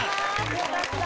よかった。